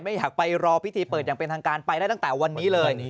อยากไปรอพิธีเปิดอย่างเป็นทางการไปได้ตั้งแต่วันนี้เลย